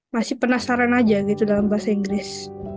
masih penasaran aja gitu dalam bahasa inggris